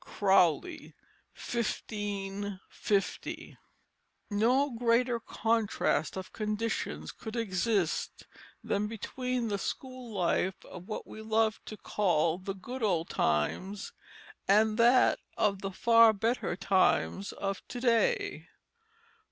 Crowley, 1550._ No greater contrast of conditions could exist than between the school life of what we love to call the "good old times," and that of the far better times of to day.